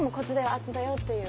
あっちだよっていう。